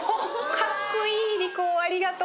かっこいい莉子ありがとう！